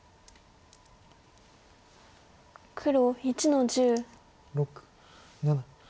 黒１の十。